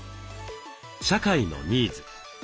「社会のニーズ」。